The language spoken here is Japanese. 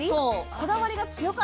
こだわりが強かったです